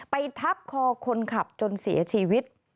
ทับคอคนขับจนเสียชีวิต